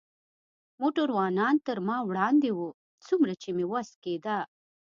موټروانان تر ما وړاندې و، څومره چې مې وس کېده.